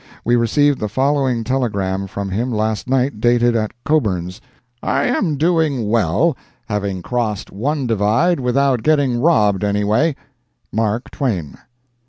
We received the following telegram from him last night dated at Coburn's: "I am doing well, having crossed one divide without getting robbed anyway. Mark Twain."